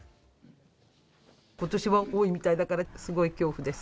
ことしは多いみたいだから、すごい恐怖です。